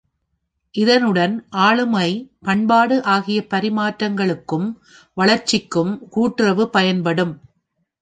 இதனுடன் ஆளுமை, பண்பாடு ஆகிய பரிமாற்றங்களுக்கும் வளர்ச்சிக்கும் கூட்டுறவு பயன்படும்.